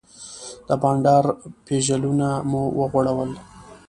د بانډار پیژلونه مو وغوړول.